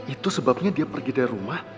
itu sebabnya dia pergi dari rumah